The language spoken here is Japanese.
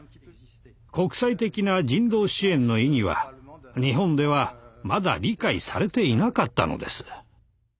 国際的な人道支援の意義は日本ではまだ理解されていなかったのです。